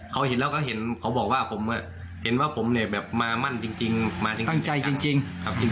เขาเห็นแล้วก็เห็นเขาบอกว่าผมเห็นว่าผมเนี่ยแบบมามั่นจริงมาจริงตั้งใจจริงครับ